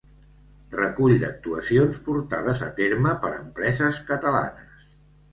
Recull d'actuacions portades a terme per empreses catalanes.